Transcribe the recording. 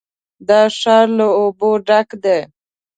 دا ښار له اوبو ډک دی.